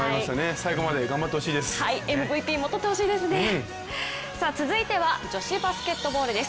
最後まで頑張ってほしいです。